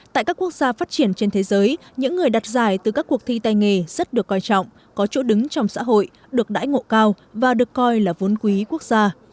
tại các quốc gia phát triển trên thế giới những người đặt giải từ các cuộc thi tay nghề rất được coi trọng có chỗ đứng trong xã hội được đãi ngộ cao và được coi là vốn quý quốc gia